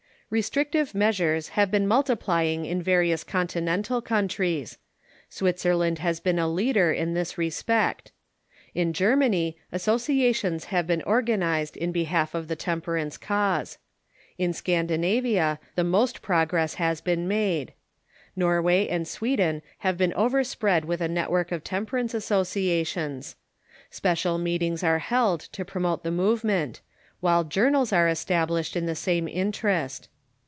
Restrictive measures have been multiplying in various Con tinental countries. Switzerland has been a leader in this re spect. In (lermany associations have been organ Temperance on j^^^j j^ behalf of the temperance cause. In Scan the Continent '■ i vt dinavia the most progress has been made. Norwaj^ and Sweden have been overspread wuth a network of temper ance associations. Special meetings are held to promote the movement, while journals are established in the same interest.